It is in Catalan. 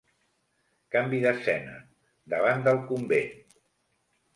Canvi d'escena: davant del convent.